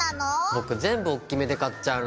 僕全部おっきめで買っちゃうの。